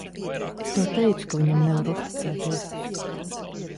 Es tev teicu, ka viņam nevar uzticēties.